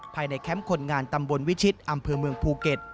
แคมป์คนงานตำบลวิชิตอำเภอเมืองภูเก็ต